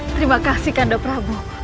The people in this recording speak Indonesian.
terima kasih kanda prabu